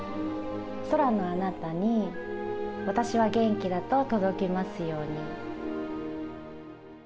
空のあなたに私は元気だと届きますように。